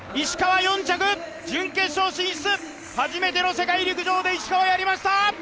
準決勝進出、初めての世界陸上で石川やりました！